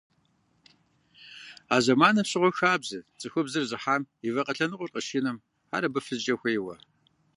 А зэманым щыгъуэ хабзэт цӀыхубзыр зыхьам и вакъэ лъэныкъуэр къыщинэм ар абы фызкӀэ хуейуэ.